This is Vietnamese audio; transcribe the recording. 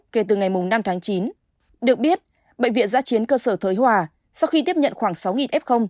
kể từ ngày năm tháng chín được biết bệnh viện giã chiến cơ sở thới hòa sau khi tiếp nhận khoảng sáu f